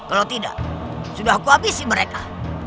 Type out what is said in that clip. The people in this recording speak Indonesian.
kalau tidak sudah aku habisi mereka